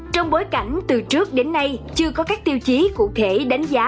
trong bối cảnh từ trước đến nay chưa có các tiêu chí cụ thể đánh giá